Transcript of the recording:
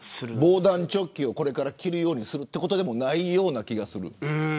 防弾チョッキを着るようにするということでもないような気がする。